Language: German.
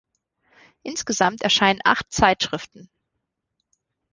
Insgesamt erscheinen acht Zeitschriften.